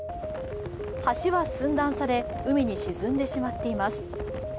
橋は寸断され、海に沈んでしまっています。